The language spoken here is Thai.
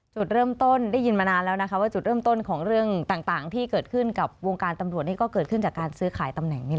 จุดเริ่มต้นได้ยินมานานแล้วนะคะว่าจุดเริ่มต้นของเรื่องต่างที่เกิดขึ้นกับวงการตำรวจนี่ก็เกิดขึ้นจากการซื้อขายตำแหน่ง